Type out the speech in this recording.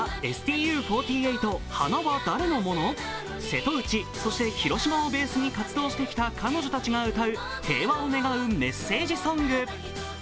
瀬戸内、そして広島をベースに活動してきた彼女たちが歌う平和を願うメッセージソング。